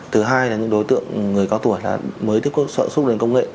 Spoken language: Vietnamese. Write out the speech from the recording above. thứ hai là những đối tượng người cao tuổi mới tiếp cận xuất luyện công nghệ